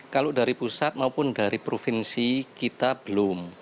kalau dari pusat maupun dari provinsi kita belum